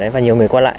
và nhiều người qua lại